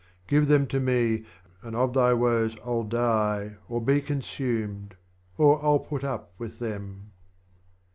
Give them to me, and of thy Woes I'll die Or be consumed, or I'll put up with them.